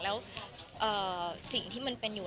แล้วสิ่งที่มันเป็นอยู่